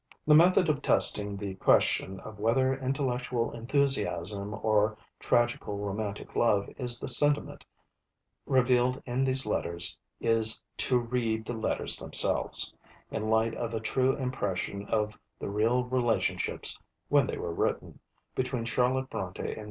The method of testing the question of whether intellectual enthusiasm, or tragical romantic love is the sentiment revealed in these Letters is _to read the Letters themselves in the light of a true impression of the real relationships (when they were written) between Charlotte Brontë and M.